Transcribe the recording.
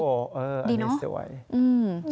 โอ้โฮอันนี้สวย